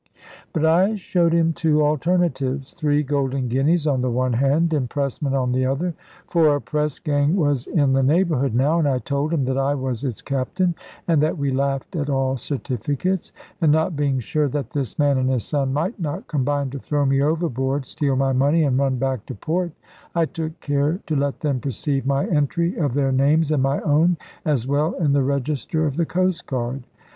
But I showed him two alternatives, three golden guineas on the one hand, impressment on the other; for a press gang was in the neighbourhood now, and I told him that I was its captain, and that we laughed at all certificates. And not being sure that this man and his son might not combine to throw me overboard, steal my money, and run back to port, I took care to let them perceive my entry of their names and my own as well in the register of the coast guard.